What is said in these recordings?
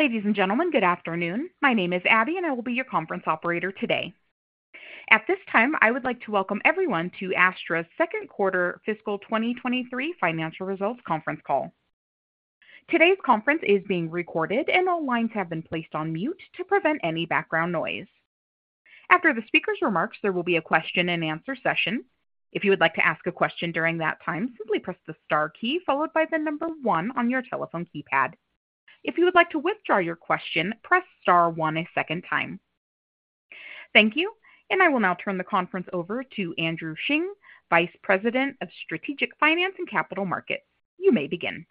Ladies and gentlemen, good afternoon. My name is Abby, and I will be your conference operator today. At this time, I would like to welcome everyone to Astra's Second Quarter Fiscal 2023 Financial Results Conference Call. Today's conference is being recorded, and all lines have been placed on mute to prevent any background noise. After the speaker's remarks, there will be a question and answer session. If you would like to ask a question during that time, simply press the star key followed by the number one on your telephone keypad. If you would like to withdraw your question, press star one a second time. Thank you, and I will now turn the conference over to Andrew Hsiung, Vice President of Strategic Finance and Capital Markets. You may begin.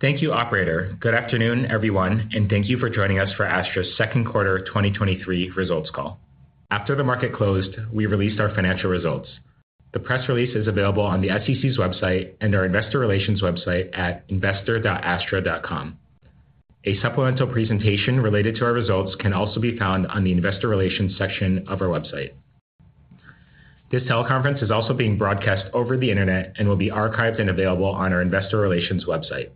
Thank you, operator. Good afternoon, everyone, and thank you for joining us for Astra's Second Quarter 2023 Results Call. After the market closed, we released our financial results. The press release is available on the SEC's website and our investor relations website at investor.astra.com. A supplemental presentation related to our results can also be found on the investor relations section of our website. This teleconference is also being broadcast over the internet and will be archived and available on our investor relations website.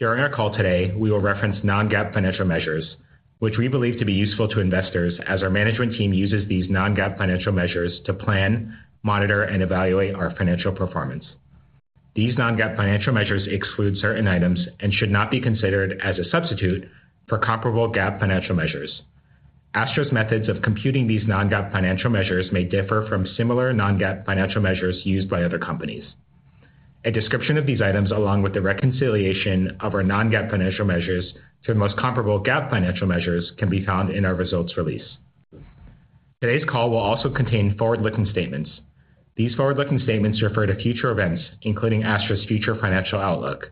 During our call today, we will reference non-GAAP financial measures, which we believe to be useful to investors as our management team uses these non-GAAP financial measures to plan, monitor, and evaluate our financial performance. These non-GAAP financial measures exclude certain items and should not be considered as a substitute for comparable GAAP financial measures. Astra's methods of computing these non-GAAP financial measures may differ from similar non-GAAP financial measures used by other companies. A description of these items, along with the reconciliation of our non-GAAP financial measures to the most comparable GAAP financial measures, can be found in our results release. Today's call will also contain forward-looking statements. These forward-looking statements refer to future events, including Astra's future financial outlook.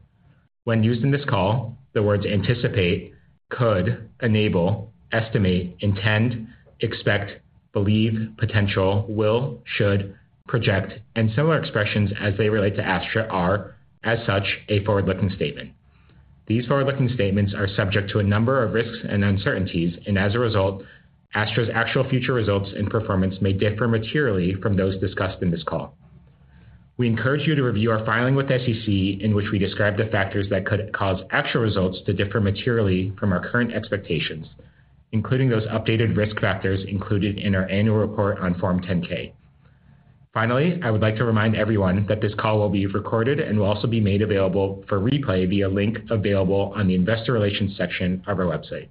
When used in this call, the words anticipate, could, enable, estimate, intend, expect, believe, potential, will, should, project, and similar expressions as they relate to Astra are, as such, a forward-looking statement. These forward-looking statements are subject to a number of risks and uncertainties, and as a result, Astra's actual future results and performance may differ materially from those discussed in this call. We encourage you to review our filing with SEC, in which we describe the factors that could cause actual results to differ materially from our current expectations, including those updated risk factors included in our annual report on Form 10-K. Finally, I would like to remind everyone that this call will be recorded and will also be made available for replay via link available on the investor relations section of our website.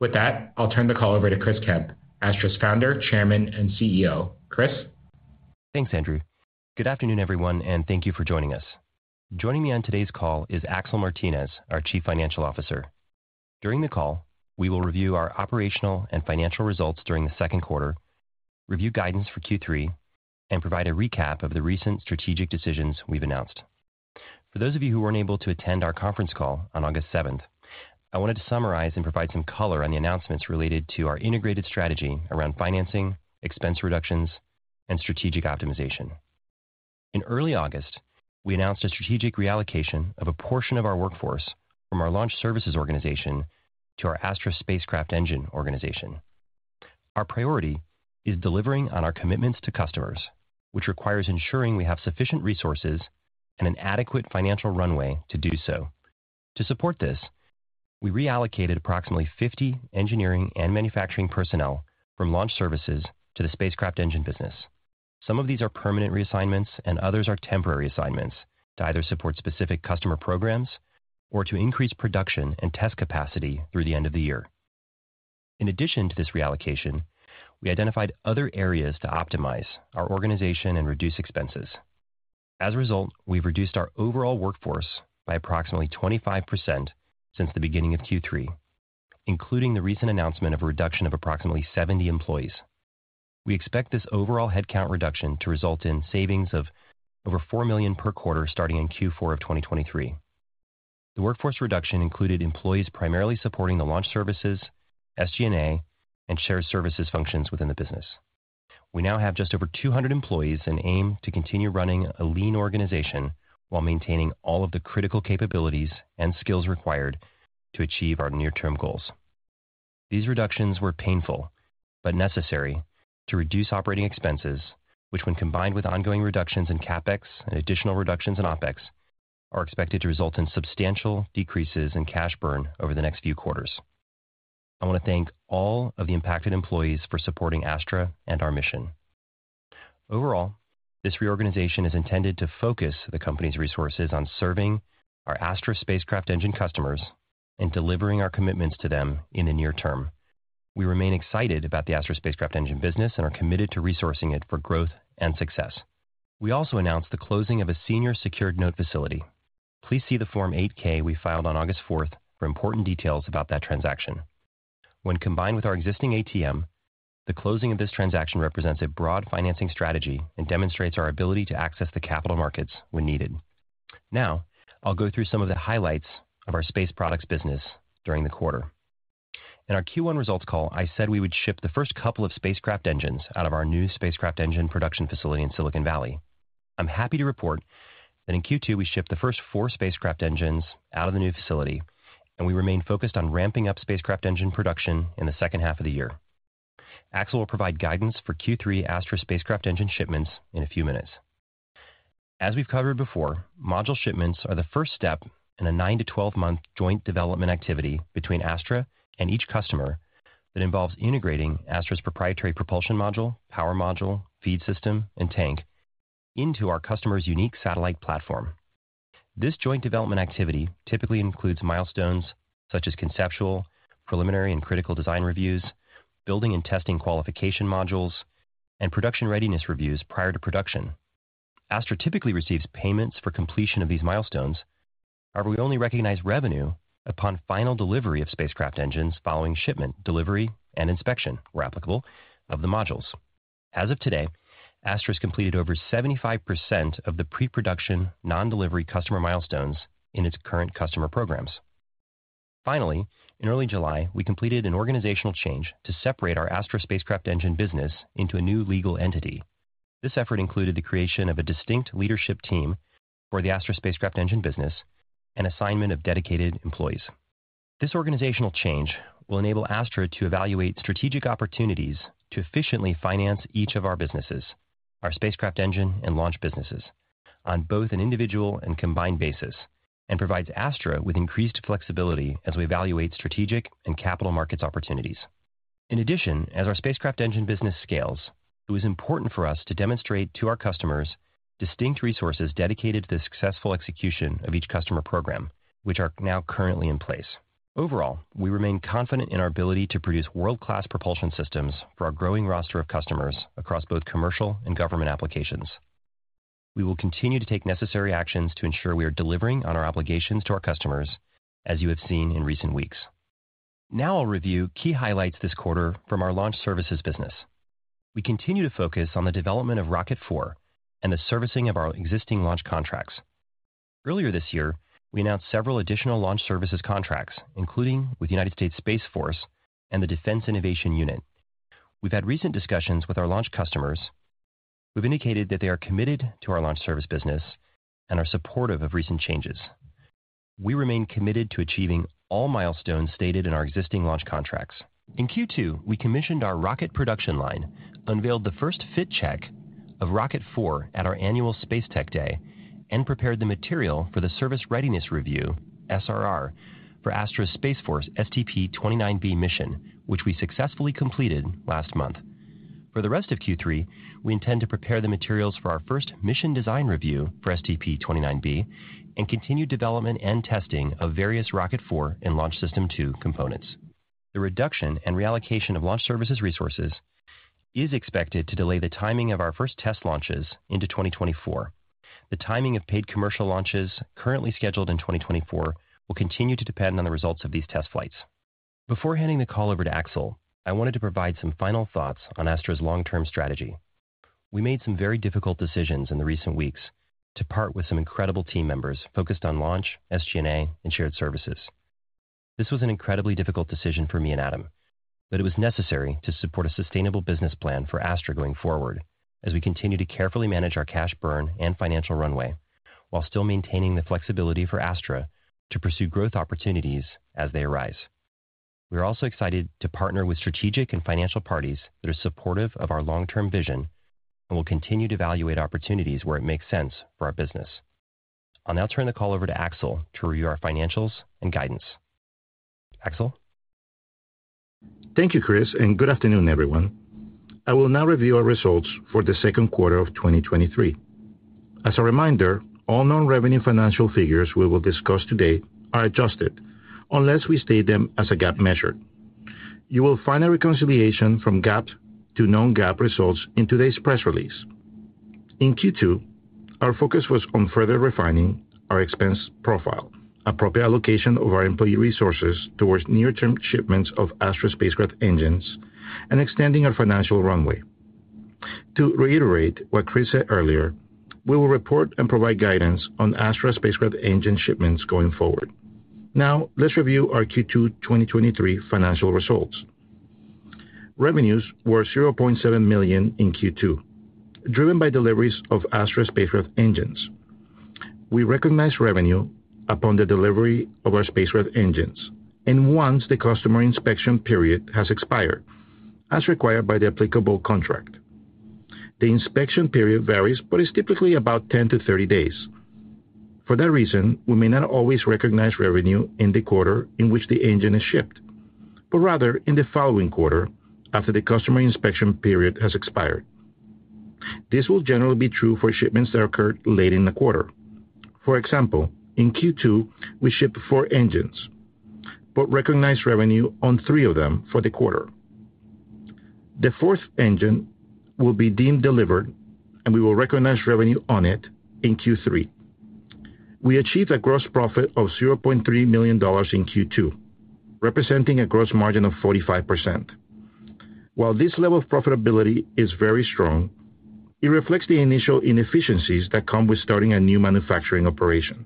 With that, I'll turn the call over to Chris Kemp, Astra's Founder, Chairman, and CEO. Chris? Thanks, Andrew. Good afternoon, everyone, and thank you for joining us. Joining me on today's call is Axel Martinez, our Chief Financial Officer. During the call, we will review our operational and financial results during the second quarter, review guidance for Q3, and provide a recap of the recent strategic decisions we've announced. For those of you who weren't able to attend our conference call on August seventh, I wanted to summarize and provide some color on the announcements related to our integrated strategy around financing, expense reductions, and strategic optimization. In early August, we announced a strategic reallocation of a portion of our workforce from our Launch Services organization to our Astra Spacecraft Engine organization. Our priority is delivering on our commitments to customers, which requires ensuring we have sufficient resources and an adequate financial runway to do so. To support this, we reallocated approximately 50 engineering and manufacturing personnel from Launch Services to the Spacecraft Engine business. Some of these are permanent reassignments and others are temporary assignments to either support specific customer programs or to increase production and test capacity through the end of the year. In addition to this reallocation, we identified other areas to optimize our organization and reduce expenses. As a result, we've reduced our overall workforce by approximately 25% since the beginning of Q3, including the recent announcement of a reduction of approximately 70 employees. We expect this overall headcount reduction to result in savings of over $4 million per quarter, starting in Q4 of 2023. The workforce reduction included employees primarily supporting the Launch Services, SG&A, and shared services functions within the business. We now have just over 200 employees and aim to continue running a lean organization while maintaining all of the critical capabilities and skills required to achieve our near-term goals. These reductions were painful but necessary to reduce operating expenses, which, when combined with ongoing reductions in CapEx and additional reductions in OpEx, are expected to result in substantial decreases in cash burn over the next few quarters. I want to thank all of the impacted employees for supporting Astra and our mission. Overall, this reorganization is intended to focus the company's resources on serving our Astra Spacecraft Engine customers and delivering our commitments to them in the near term. We remain excited about the Astra Spacecraft Engine business and are committed to resourcing it for growth and success. We also announced the closing of a senior secured note facility. Please see the Form 8-K we filed on August fourth for important details about that transaction. When combined with our existing ATM, the closing of this transaction represents a broad financing strategy and demonstrates our ability to access the capital markets when needed. Now, I'll go through some of the highlights of our Space Products business during the quarter. In our Q1 results call, I said we would ship the first couple of Spacecraft Engines out of our new Spacecraft Engine production facility in Silicon Valley. I'm happy to report that in Q2, we shipped the first 4 Spacecraft Engines out of the new facility, and we remain focused on ramping up Spacecraft Engine production in the second half of the year. Axel will provide guidance for Q3 Astra Spacecraft Engine shipments in a few minutes. As we've covered before, module shipments are the first step in a 9-12 month joint development activity between Astra and each customer that involves integrating Astra's proprietary propulsion module, power module, feed system, and tank into our customer's unique satellite platform. This joint development activity typically includes milestones such as conceptual, preliminary, and critical design reviews, building and testing qualification modules, and production readiness reviews prior to production. Astra typically receives payments for completion of these milestones, however, we only recognize revenue upon final delivery of Spacecraft Engines following shipment, delivery, and inspection, where applicable, of the modules. As of today, Astra has completed over 75% of the pre-production non-delivery customer milestones in its current customer programs. Finally, in early July, we completed an organizational change to separate our Astra Spacecraft Engine business into a new legal entity. This effort included the creation of a distinct leadership team for the Astra Spacecraft Engine business and assignment of dedicated employees. This organizational change will enable Astra to evaluate strategic opportunities to efficiently finance each of our businesses, our Spacecraft Engine and launch businesses, on both an individual and combined basis, and provides Astra with increased flexibility as we evaluate strategic and capital markets opportunities. In addition, as our Spacecraft Engine business scales, it was important for us to demonstrate to our customers distinct resources dedicated to the successful execution of each customer program, which are now currently in place. Overall, we remain confident in our ability to produce world-class propulsion systems for our growing roster of customers across both commercial and government applications. We will continue to take necessary actions to ensure we are delivering on our obligations to our customers, as you have seen in recent weeks. I'll review key highlights this quarter from our launch services business. We continue to focus on the development of Rocket 4 and the servicing of our existing launch contracts. Earlier this year, we announced several additional launch services contracts, including with United States Space Force and the Defense Innovation Unit. We've had recent discussions with our launch customers who've indicated that they are committed to our launch service business and are supportive of recent changes. We remain committed to achieving all milestones stated in our existing launch contracts. In Q2, we commissioned our rocket production line, unveiled the first fit check of Rocket 4 at our annual Space Tech Day, and prepared the material for the Service Readiness Review, SRR, for Astra's Space Force STP-S29B mission, which we successfully completed last month. For the rest of Q3, we intend to prepare the materials for our first Mission Design Review for STP-S29B and continue development and testing of various Rocket 4 and Launch System 2 components. The reduction and reallocation of launch services resources is expected to delay the timing of our first test launches into 2024. The timing of paid commercial launches currently scheduled in 2024 will continue to depend on the results of these test flights. Before handing the call over to Axel, I wanted to provide some final thoughts on Astra's long-term strategy. We made some very difficult decisions in the recent weeks to part with some incredible team members focused on launch, SG&A, and shared services. This was an incredibly difficult decision for me and Adam, but it was necessary to support a sustainable business plan for Astra going forward as we continue to carefully manage our cash burn and financial runway, while still maintaining the flexibility for Astra to pursue growth opportunities as they arise. We are also excited to partner with strategic and financial parties that are supportive of our long-term vision, and we'll continue to evaluate opportunities where it makes sense for our business. I'll now turn the call over to Axel to review our financials and guidance. Axel? Thank you, Chris. Good afternoon, everyone. I will now review our results for the second quarter of 2023. As a reminder, all non-revenue financial figures we will discuss today are adjusted unless we state them as a GAAP measure. You will find a reconciliation from GAAP to non-GAAP results in today's press release. In Q2, our focus was on further refining our expense profile, appropriate allocation of our employee resources towards near-term shipments of Astra Spacecraft Engines, and extending our financial runway. To reiterate what Chris said earlier, we will report and provide guidance on Astra Spacecraft Engine shipments going forward. Now, let's review our Q2 2023 financial results. Revenues were $0.7 million in Q2, driven by deliveries of Astra Spacecraft Engines. We recognized revenue upon the delivery of our spacecraft engines and once the customer inspection period has expired, as required by the applicable contract. The inspection period varies, but it's typically about 10-30 days. For that reason, we may not always recognize revenue in the quarter in which the engine is shipped, but rather in the following quarter after the customer inspection period has expired. This will generally be true for shipments that occurred late in the quarter. For example, in Q2, we shipped 4 engines, but recognized revenue on 3 of them for the quarter. The 4th engine will be deemed delivered, and we will recognize revenue on it in Q3. We achieved a gross profit of $0.3 million in Q2, representing a gross margin of 45%. While this level of profitability is very strong, it reflects the initial inefficiencies that come with starting a new manufacturing operation.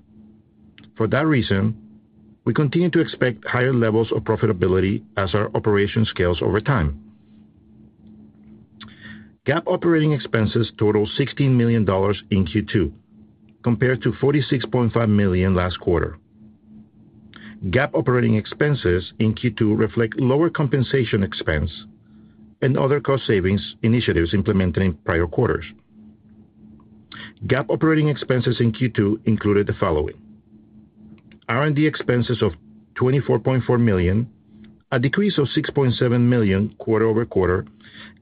For that reason, we continue to expect higher levels of profitability as our operation scales over time. GAAP operating expenses totaled $16 million in Q2, compared to $46.5 million last quarter. GAAP operating expenses in Q2 reflect lower compensation expense and other cost savings initiatives implemented in prior quarters. GAAP operating expenses in Q2 included the following: R&D expenses of $24.4 million, a decrease of $6.7 million quarter-over-quarter,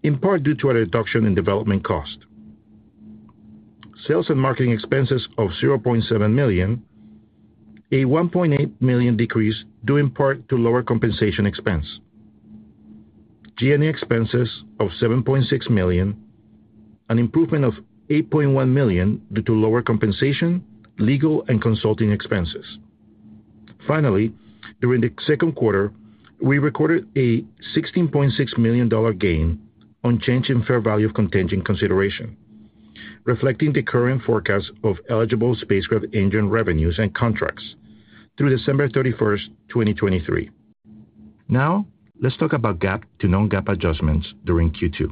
in part due to a reduction in development cost. Sales and marketing expenses of $0.7 million, a $1.8 million decrease, due in part to lower compensation expense. G&A expenses of $7.6 million, an improvement of $8.1 million due to lower compensation, legal, and consulting expenses. Finally, during the second quarter, we recorded a $16.6 million gain on change in fair value of contingent consideration, reflecting the current forecast of eligible spacecraft engine revenues and contracts through December 31, 2023. Let's talk about GAAP to non-GAAP adjustments during Q2.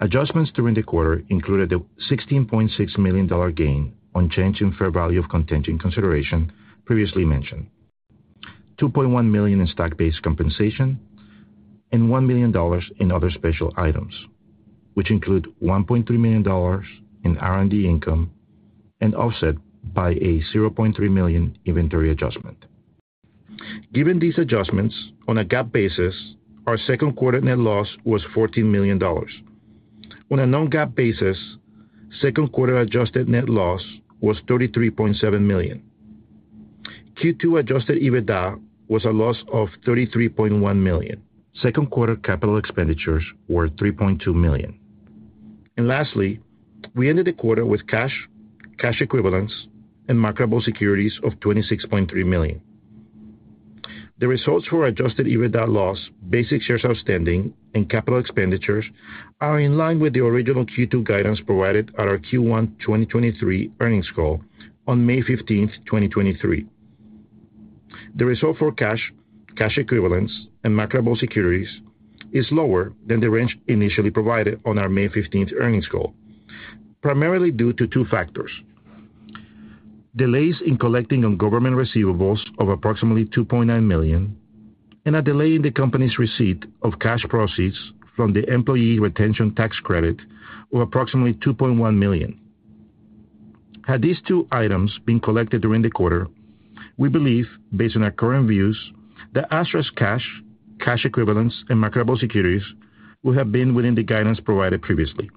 Adjustments during the quarter included the $16.6 million gain on change in fair value of contingent consideration previously mentioned, $2.1 million in stock-based compensation, and $1 million in other special items, which include $1.3 million in R&D income and offset by a $0.3 million inventory adjustment. Given these adjustments, on a GAAP basis, our second quarter net loss was $14 million. On a non-GAAP basis, second quarter adjusted net loss was $33.7 million. Q2 adjusted EBITDA was a loss of $33.1 million. Second quarter capital expenditures were $3.2 million. Lastly, we ended the quarter with cash, cash equivalents, and marketable securities of $26.3 million. The results for Adjusted EBITDA loss, basic shares outstanding, and capital expenditures are in line with the original Q2 guidance provided at our Q1 2023 earnings call on May 15th, 2023. The result for cash, cash equivalents, and marketable securities is lower than the range initially provided on our May 15th earnings call, primarily due to two factors: delays in collecting on government receivables of approximately $2.9 million, and a delay in the company's receipt of cash proceeds from the employee retention tax credit of approximately $2.1 million. Had these two items been collected during the quarter, we believe, based on our current views, that Astra's cash, cash equivalents, and marketable securities would have been within the guidance provided previously.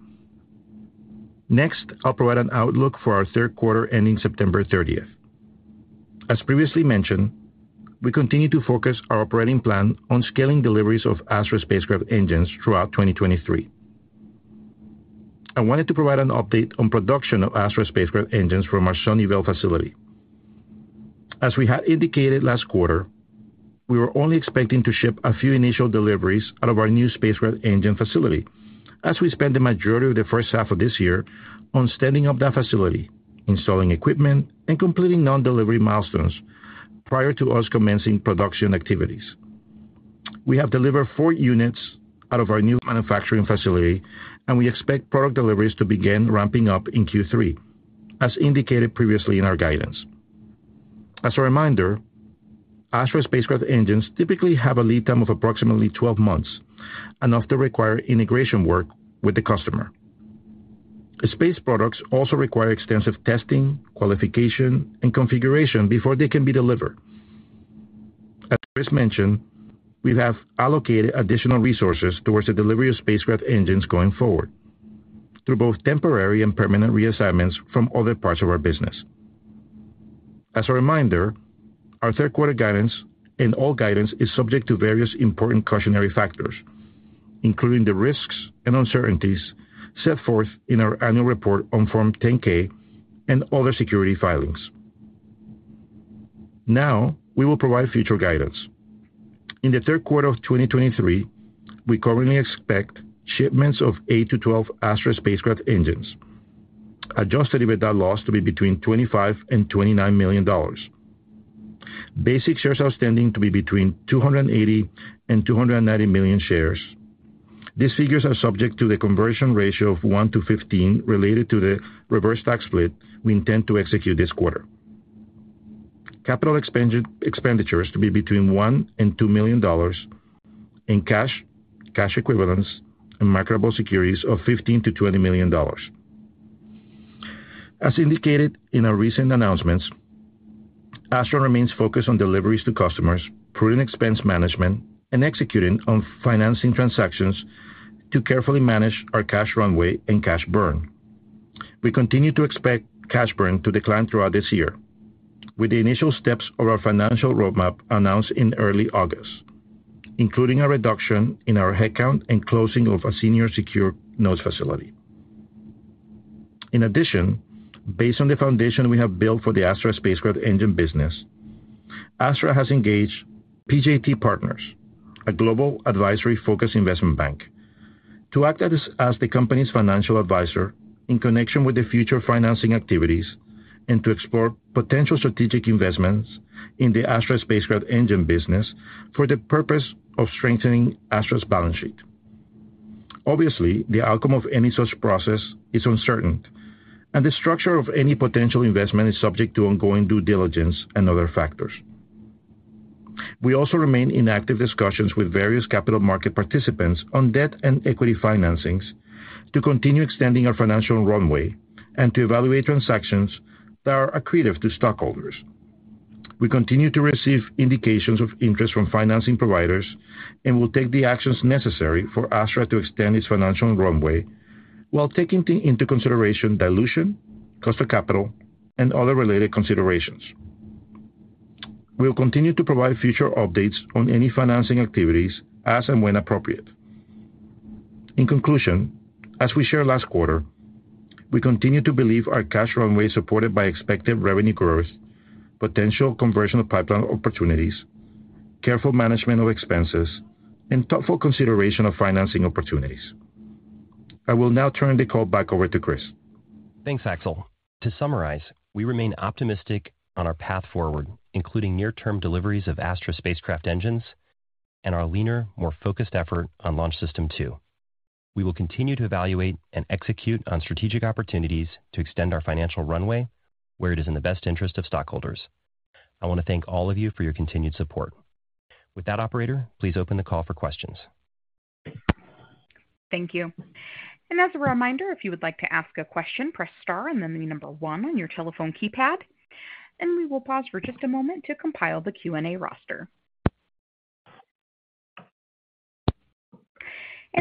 Next, I'll provide an outlook for our third quarter ending September 30th. As previously mentioned, we continue to focus our operating plan on scaling deliveries of Astra Spacecraft Engines throughout 2023. I wanted to provide an update on production of Astra Spacecraft Engines from our Sunnyvale facility. As we had indicated last quarter, we were only expecting to ship a few initial deliveries out of our new spacecraft engine facility, as we spent the majority of the first half of this year on standing up that facility, installing equipment, and completing non-delivery milestones prior to us commencing production activities. We have delivered four units out of our new manufacturing facility, and we expect product deliveries to begin ramping up in Q3, as indicated previously in our guidance. As a reminder, Astra Spacecraft Engines typically have a lead time of approximately 12 months and often require integration work with the customer. Space products also require extensive testing, qualification, and configuration before they can be delivered. As Chris mentioned, we have allocated additional resources towards the delivery of spacecraft engines going forward, through both temporary and permanent reassignments from other parts of our business. As a reminder, our third quarter guidance and all guidance is subject to various important cautionary factors, including the risks and uncertainties set forth in our annual report on Form 10-K and other security filings. Now, we will provide future guidance. In the third quarter of 2023, we currently expect shipments of 8 to 12 Astra Spacecraft Engines, Adjusted EBITDA loss to be between $25 million and $29 million. Basic shares outstanding to be between 280 million and 290 million shares. These figures are subject to the conversion ratio of 1 to 15 related to the reverse stock split we intend to execute this quarter. Capital expenditures to be between $1 million and $2 million, and cash, cash equivalents, and marketable securities of $15 million-$20 million. As indicated in our recent announcements, Astra remains focused on deliveries to customers, prudent expense management, and executing on financing transactions to carefully manage our cash runway and cash burn. We continue to expect cash burn to decline throughout this year with the initial steps of our financial roadmap announced in early August, including a reduction in our headcount and closing of our Senior Secured Notes facility. Based on the foundation we have built for the Astra Spacecraft Engine business, Astra has engaged PJT Partners, a global advisory-focused investment bank, to act as the company's financial advisor in connection with the future financing activities and to explore potential strategic investments in the Astra Spacecraft Engine business for the purpose of strengthening Astra's balance sheet. The outcome of any such process is uncertain, and the structure of any potential investment is subject to ongoing due diligence and other factors. We also remain in active discussions with various capital market participants on debt and equity financings to continue extending our financial runway and to evaluate transactions that are accretive to stockholders. We continue to receive indications of interest from financing providers and will take the actions necessary for Astra to extend its financial runway while taking into consideration dilution, cost of capital, and other related considerations. We'll continue to provide future updates on any financing activities as and when appropriate. In conclusion, as we shared last quarter, we continue to believe our cash runway is supported by expected revenue growth, potential conversion of pipeline opportunities, careful management of expenses, and thoughtful consideration of financing opportunities. I will now turn the call back over to Chris. Thanks, Axel. To summarize, we remain optimistic on our path forward, including near-term deliveries of Astra Spacecraft Engines and our leaner, more focused effort on Launch System 2. We will continue to evaluate and execute on strategic opportunities to extend our financial runway where it is in the best interest of stockholders. I want to thank all of you for your continued support. With that, operator, please open the call for questions. Thank you. As a reminder, if you would like to ask a question, press Star and then the number 1 on your telephone keypad, we will pause for just a moment to compile the Q&A roster.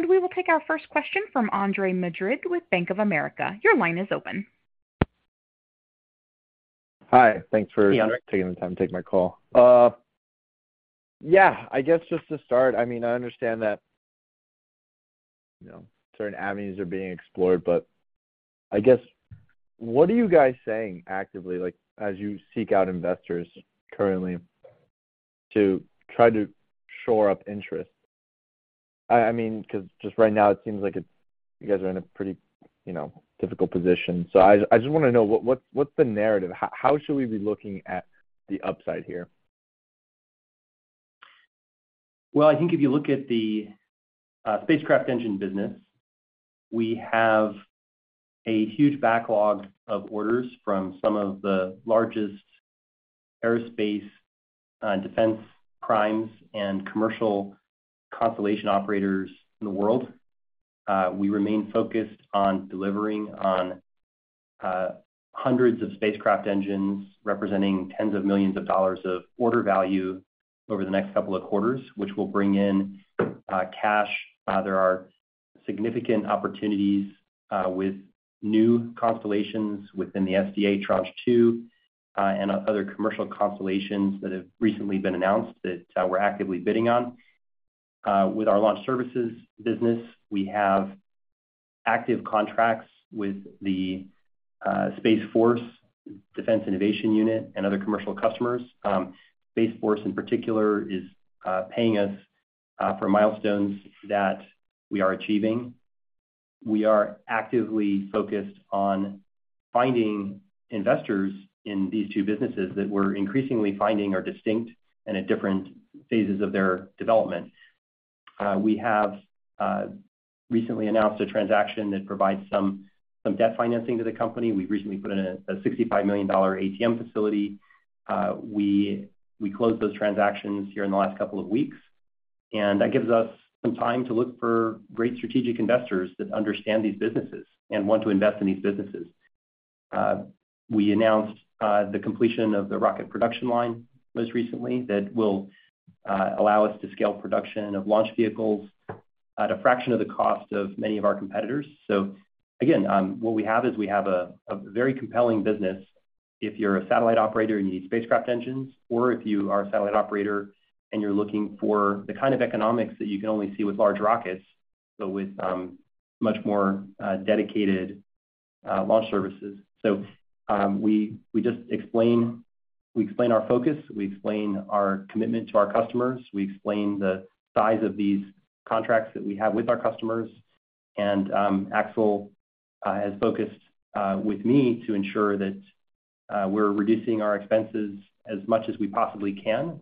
We will take our first question from Andre Madrid with Bank of America. Your line is open. Hi. Thanks for taking the time to take my call. Yeah, I guess just to start, I mean, I understand that, you know, certain avenues are being explored, but I guess, what are you guys saying actively, like, as you seek out investors currently to try to shore up interest? I, I mean, because just right now it seems like you guys are in a pretty, you know, difficult position. I, I just want to know what, what's, what's the narrative? How, how should we be looking at the upside here? Well, I think if you look at the spacecraft engine business, we have a huge backlog of orders from some of the largest aerospace, defense primes and commercial constellation operators in the world. We remain focused on delivering on hundreds of spacecraft engines, representing tens of millions of dollars of order value over the next couple of quarters, which will bring in cash. There are significant opportunities with new constellations within the SDA Tranche 2 and other commercial constellations that have recently been announced that we're actively bidding on. With our launch services business, we have active contracts with the Space Force Defense Innovation Unit and other commercial customers. Space Force, in particular, is paying us for milestones that we are achieving. We are actively focused on finding investors in these two businesses that we're increasingly finding are distinct and at different phases of their development. We have recently announced a transaction that provides some, some debt financing to the company. We've recently put in a $65 million ATM facility. We, we closed those transactions here in the last couple of weeks, and that gives us some time to look for great strategic investors that understand these businesses and want to invest in these businesses. We announced the completion of the rocket production line most recently. That will allow us to scale production of launch vehicles at a fraction of the cost of many of our competitors. Again, what we have is we have a very compelling business if you're a satellite operator and you need spacecraft engines, or if you are a satellite operator and you're looking for the kind of economics that you can only see with large rockets, but with much more dedicated launch services. We explain our focus, we explain our commitment to our customers, we explain the size of these contracts that we have with our customers, and Axel has focused with me to ensure that we're reducing our expenses as much as we possibly can,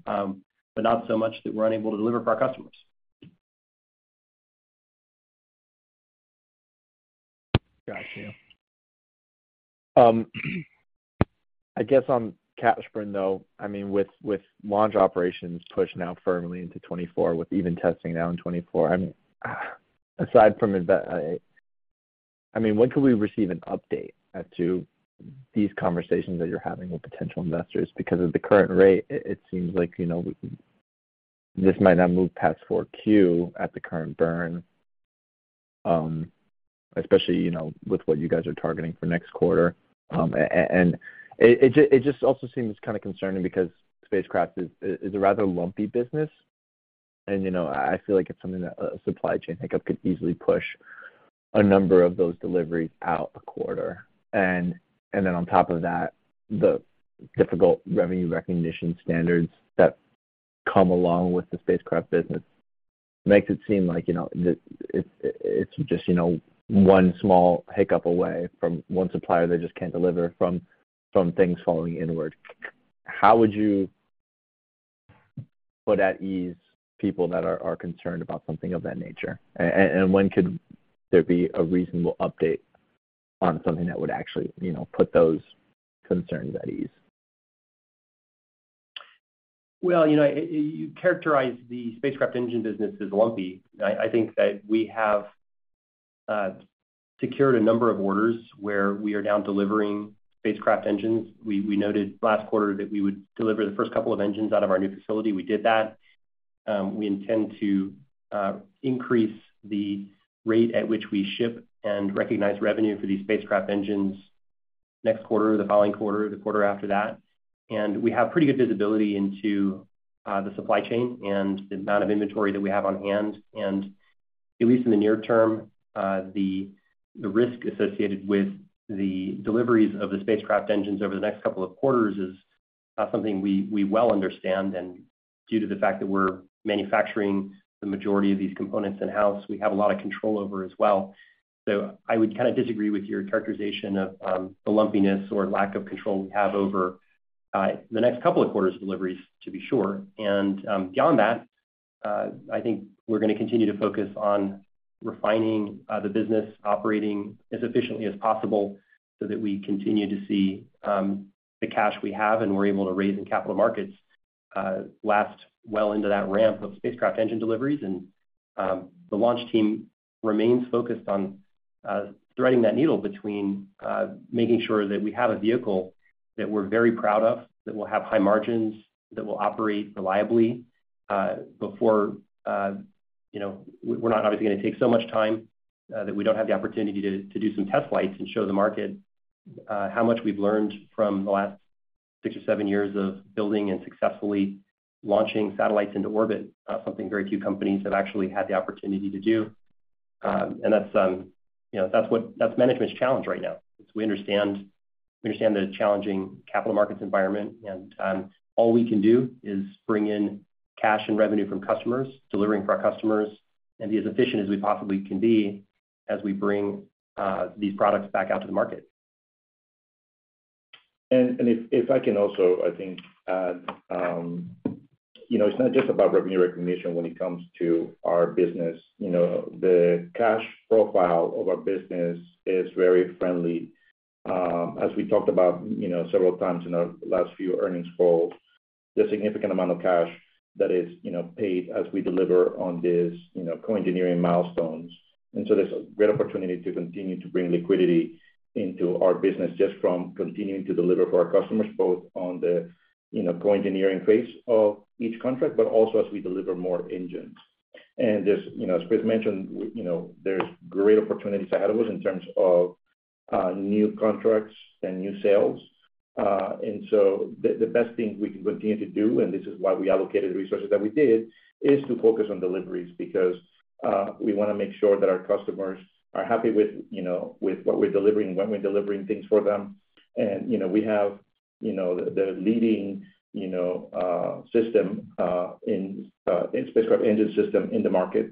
but not so much that we're unable to deliver for our customers. Got you. I guess on capital, though, I mean, with, with launch operations pushed now firmly into 2024, with even testing now in 2024, aside from invest- I mean, when can we receive an update as to these conversations that you're having with potential investors? Because at the current rate, it, it seems like, you know, this might not move past Q4 at the current burn, especially, you know, with what you guys are targeting for next quarter. And it, it just also seems kind of concerning because spacecraft is, is a rather lumpy business and, you know, I feel like it's something that a supply chain hiccup could easily push a number of those deliveries out a quarter. Then on top of that, the difficult revenue recognition standards that come along with the spacecraft business makes it seem like, you know, it, it, it's just, you know, one small hiccup away from one supplier that just can't deliver from, from things falling inward. How would you put at ease people that are concerned about something of that nature? When could there be a reasonable update on something that would actually, you know, put those concerns at ease? Well, you know, you characterize the spacecraft engine business as lumpy. I think that we have secured a number of orders where we are now delivering spacecraft engines. We noted last quarter that we would deliver the first couple of engines out of our new facility. We did that. We intend to increase the rate at which we ship and recognize revenue for these spacecraft engines next quarter, or the following quarter, or the quarter after that. We have pretty good visibility into the supply chain and the amount of inventory that we have on hand. At least in the near term, the risk associated with the deliveries of the spacecraft engines over the next couple of quarters is something we well understand. Due to the fact that we're manufacturing the majority of these components in-house, we have a lot of control over as well. I would kind of disagree with your characterization of the lumpiness or lack of control we have over the next couple of quarters' deliveries, to be sure. Beyond that, I think we're gonna continue to focus on refining the business, operating as efficiently as possible, so that we continue to see the cash we have and we're able to raise in capital markets last well into that ramp of spacecraft engine deliveries. The launch team remains focused on threading that needle between making sure that we have a vehicle that we're very proud of, that will have high margins, that will operate reliably before. You know, we're not obviously gonna take so much time that we don't have the opportunity to, to do some test flights and show the market how much we've learned from the last 6 or 7 years of building and successfully launching satellites into orbit. Something very few companies have actually had the opportunity to do. And that's, you know, that's management's challenge right now. We understand, we understand the challenging capital markets environment, and all we can do is bring in cash and revenue from customers, delivering for our customers, and be as efficient as we possibly can be as we bring these products back out to the market. If I can also, I think, add, you know, it's not just about revenue recognition when it comes to our business. You know, the cash profile of our business is very friendly. As we talked about, you know, several times in our last few earnings calls, the significant amount of cash that is, you know, paid as we deliver on these, you know, co-engineering milestones. So there's a great opportunity to continue to bring liquidity into our business, just from continuing to deliver for our customers, both on the, you know, co-engineering phase of each contract, but also as we deliver more engines. There's, you know, as Chris mentioned, you know, there's great opportunities ahead of us in terms of new contracts and new sales. So the, the best thing we can continue to do, and this is why we allocated the resources that we did, is to focus on deliveries. Because we wanna make sure that our customers are happy with, you know, with what we're delivering, when we're delivering things for them. You know, we have, you know, the leading, you know, system in Spacecraft Engine system in the market.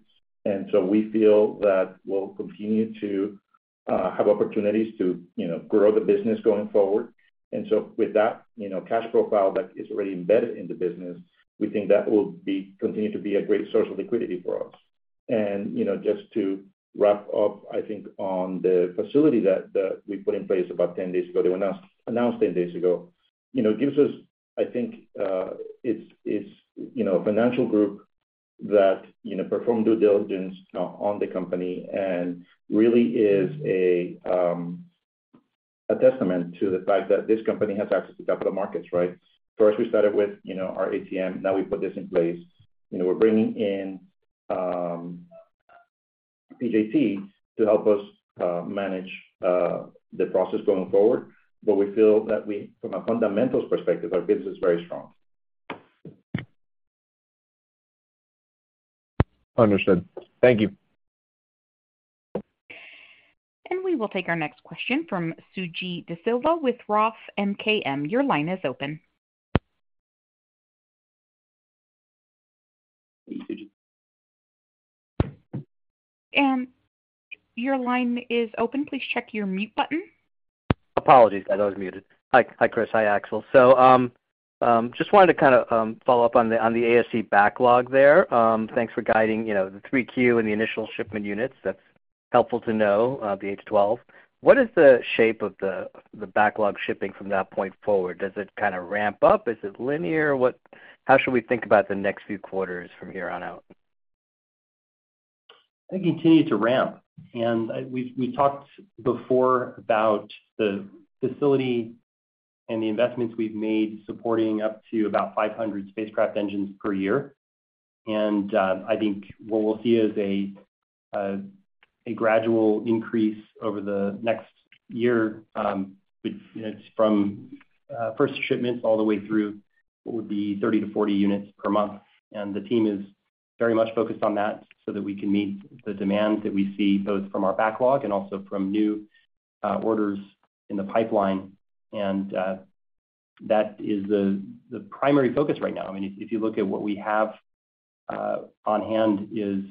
So we feel that we'll continue to have opportunities to, you know, grow the business going forward. So with that, you know, cash profile that is already embedded in the business, we think that will continue to be a great source of liquidity for us. You know, just to wrap up, I think, on the facility that, that we put in place about 10 days ago, that were announced, announced 10 days ago. You know, it gives us, I think, it's, it's, you know, a financial group that, you know, performed due diligence on, on the company and really is a testament to the fact that this company has access to capital markets, right? First, we started with, you know, our ATM, now we put this in place. You know, we're bringing in PJT to help us manage the process going forward. We feel that we, from a fundamentals perspective, our business is very strong. Understood. Thank you. We will take our next question from Suji DeSilva with Roth MKM. Your line is open. Hey, Suji. Your line is open. Please check your mute button. Apologies, guys, I was muted. Hi. Hi, Chris. Hi, Axel. Just wanted to kind of, follow up on the, on the ASE backlog there. Thanks for guiding, you know, the 3Q and the initial shipment units. That's helpful to know, the 8 to 12. How should we think about the next few quarters from here on out? It continued to ramp. We've, we talked before about the facility and the investments we've made, supporting up to about 500 spacecraft engines per year. I think what we'll see is a, a gradual increase over the next year, with, you know, from, first shipments all the way through what would be 30 to 40 units per month. The team is very much focused on that, so that we can meet the demands that we see, both from our backlog and also from new, orders in the pipeline. That is the, the primary focus right now. I mean, if you, you look at what we have-... on hand is,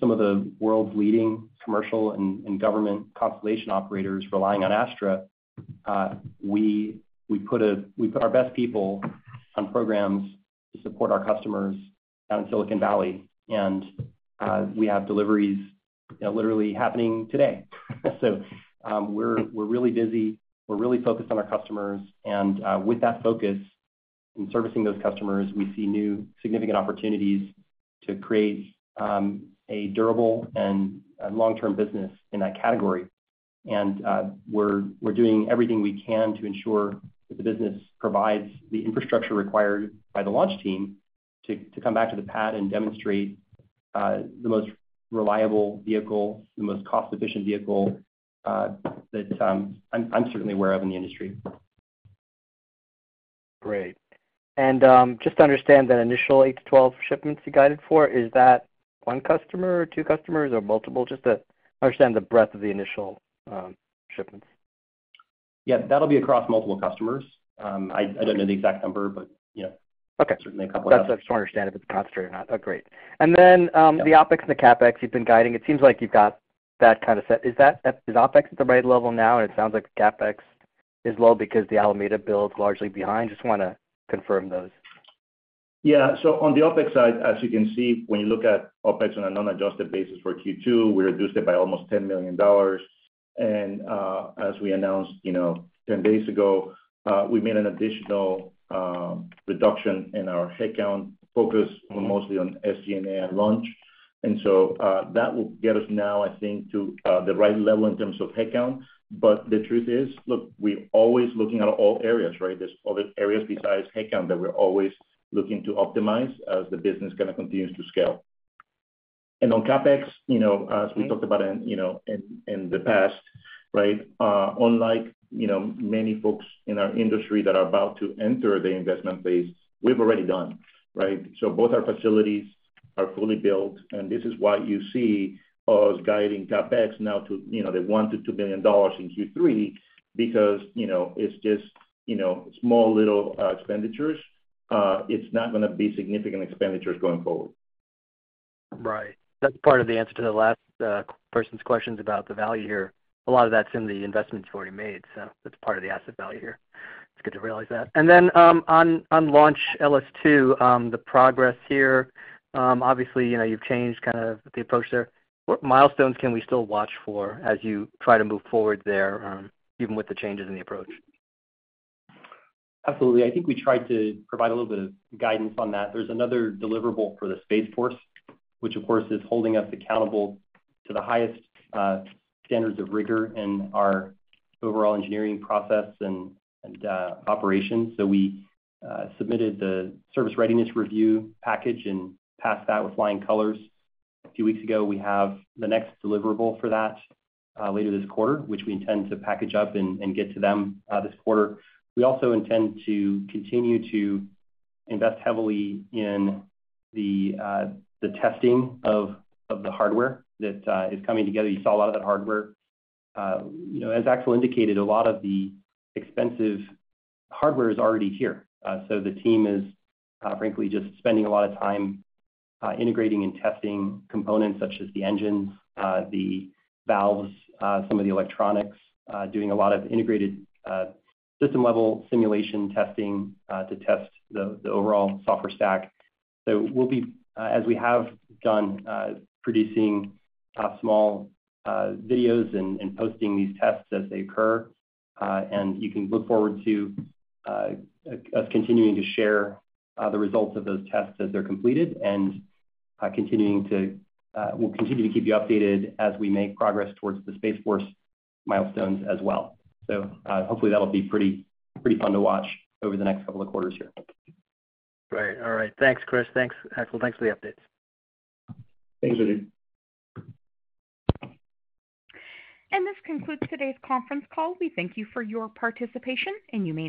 some of the world's leading commercial and, and government constellation operators relying on Astra. We, we put our best people on programs to support our customers out in Silicon Valley, and we have deliveries, literally happening today. We're, we're really busy, we're really focused on our customers, and with that focus in servicing those customers, we see new significant opportunities to create a durable and, and long-term business in that category. We're, we're doing everything we can to ensure that the business provides the infrastructure required by the launch team to, to come back to the pad and demonstrate the most reliable vehicle, the most cost-efficient vehicle, that I'm, I'm certainly aware of in the industry. Great. Just to understand that initial eight to 12 shipments you guided for, is that one customer or two customers or multiple? Just to understand the breadth of the initial shipments. Yeah, that'll be across multiple customers. I, I don't know the exact number, but, yeah. Okay. Certainly a couple of customers. Just to understand if it's concentrated or not. Oh, great. The OpEx and the CapEx you've been guiding, it seems like you've got that kind of set. Is OpEx at the right level now? It sounds like the CapEx is low because the Alameda build largely behind. Just wanna confirm those. Yeah. On the OpEx side, as you can see, when you look at OpEx on a non-adjusted basis for Q2, we reduced it by almost $10 million. As we announced, you know, 10 days ago, we made an additional reduction in our headcount, focused mostly on SG&A and launch. That will get us now, I think, to the right level in terms of headcount. The truth is, look, we're always looking at all areas, right? There's other areas besides headcount that we're always looking to optimize as the business kind of continues to scale. On CapEx, you know, as we talked about in, you know, in, in the past, right? Unlike, you know, many folks in our industry that are about to enter the investment phase, we've already done, right? Both our facilities are fully built, and this is why you see us guiding CapEx now to, you know, the $1 billion-$2 billion in Q3. You know, it's just, you know, small little expenditures. It's not gonna be significant expenditures going forward. Right. That's part of the answer to the last person's questions about the value here. A lot of that's in the investments you've already made, so that's part of the asset value here. It's good to realize that. Then, on, on launch LS-2, the progress here, obviously, you know, you've changed kind of the approach there. What milestones can we still watch for as you try to move forward there, even with the changes in the approach? Absolutely. I think we tried to provide a little bit of guidance on that. There's another deliverable for the Space Force, which, of course, is holding us accountable to the highest standards of rigor in our overall engineering process and operations. We submitted the Service Readiness Review package and passed that with flying colors a few weeks ago. We have the next deliverable for that later this quarter, which we intend to package up and get to them this quarter. We also intend to continue to invest heavily in the testing of the hardware that is coming together. You saw a lot of that hardware. You know, as Axel indicated, a lot of the expensive hardware is already here. The team is, frankly, just spending a lot of time, integrating and testing components such as the engines, the valves, some of the electronics. Doing a lot of integrated, system-level simulation testing, to test the, the overall software stack. We'll be, as we have done, producing, small, videos and, and posting these tests as they occur. You can look forward to, us continuing to share, the results of those tests as they're completed. Continuing to. We'll continue to keep you updated as we make progress towards the Space Force milestones as well. Hopefully, that'll be pretty, pretty fun to watch over the next couple of quarters here. Great. All right. Thanks, Chris. Thanks, Axel. Thanks for the updates. Thanks, Suji. This concludes today's conference call. We thank you for your participation, and you may disconnect.